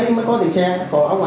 tụi tôi về nguồn thu làm cuộc sống khổ